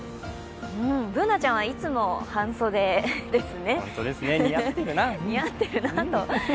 Ｂｏｏｎａちゃんはいつも半袖ですね似合ってるな。